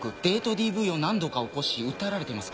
ＤＶを何度か起こし訴えられています